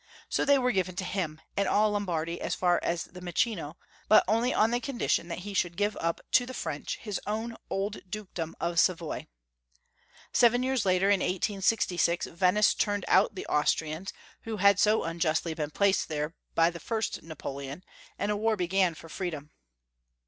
So they were given to liim, and all Lombardy as far as the Mincio, but only on condition that he should give up to the French liis own old dukedom of Savoy. Seven years later, in 1866, Venice turned Interregnum. 466 out the Austrians, who liad so unjustly been placed there by the first Napoleon, and a war began for freedom.